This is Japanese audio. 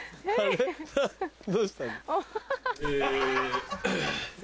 どうしたの？え。